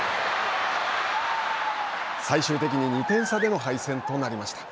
最終的に２点差での敗戦となりました。